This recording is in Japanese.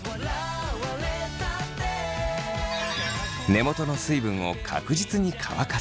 根元の水分を確実に乾かす。